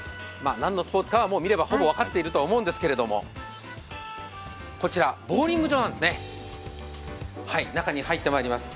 何のスポ−ツかは見ればほぼ分かっていると思うんですけれども、ボウリング場なんですね、中に入ってまいります。